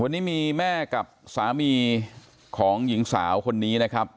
วันนี้มีแม่กับสามีของหญิงสาวคนนี้นะครับ